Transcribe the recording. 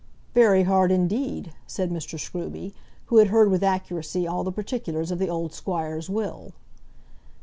"Very hard indeed," said Mr. Scruby, who had heard with accuracy all the particulars of the old Squire's will.